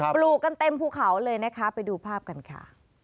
ปลูกกันเต็มภูเขาเลยนะคะไปดูภาพกันค่ะ